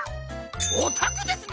おたくですね